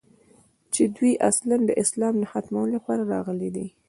چې دوى اصلاً د اسلام د ختمولو لپاره راغلي دي.